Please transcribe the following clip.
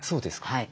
はい。